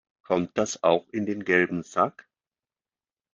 Kommt das auch in den gelben Sack?